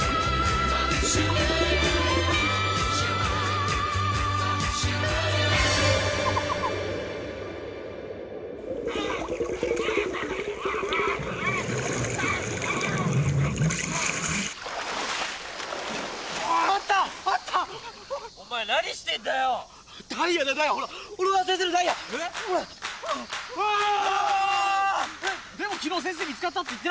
でも昨日先生見つかったって言ってなかったっけ？